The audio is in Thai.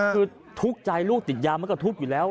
คือทุกข์ใจลูกติดยามันก็ทุบอยู่แล้ว